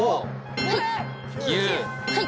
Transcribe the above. はい！